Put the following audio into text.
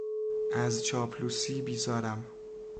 از چاپلوسی بیزارم.